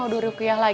jadi apa rumahnya ini